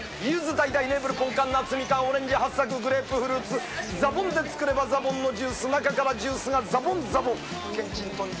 ゆず、だいだい、ネーブル、ぽんかん、夏みかん、オレンジ、はっさく、グレープフルーツ、ザボンで作ればザボンのジュース、中からジュースがざぼんざぼん。